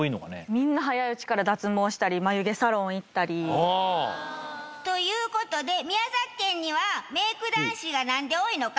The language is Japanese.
みんな早いうちから脱毛したり眉毛サロン行ったり。という事で宮崎県にはメイク男子がなんで多いのか？